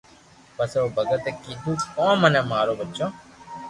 پسي او ڀگت اي ڪيدو ڪو مني مارو ٻچو